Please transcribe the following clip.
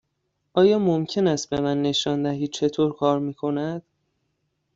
آیا ممکن است به من نشان دهید چطور کار می کند؟